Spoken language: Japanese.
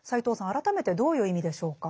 改めてどういう意味でしょうか。